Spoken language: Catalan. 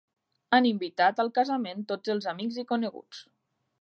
Han invitat al casament tots els amics i coneguts.